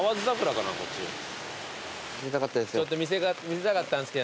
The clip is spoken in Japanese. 見せたかったです。